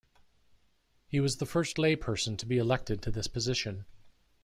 He was the first lay person to be elected to this position.